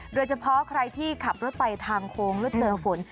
โดยเฉพาะใครที่ขับรถไปทางโค้งแล้วเจอฝน